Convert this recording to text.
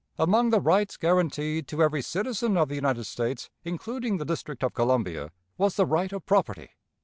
Among the rights guaranteed to every citizen of the United States, including the District of Columbia, was the right of property.